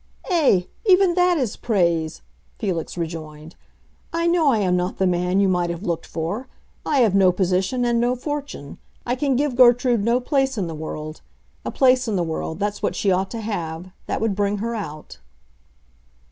"Eh, even that is praise!" Felix rejoined. "I know I am not the man you might have looked for. I have no position and no fortune; I can give Gertrude no place in the world. A place in the world—that's what she ought to have; that would bring her out."